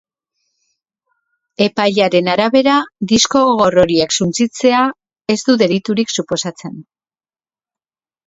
Epailearen arabera, disko gogor horiek suntsitzea ez du deliturik suposatzen.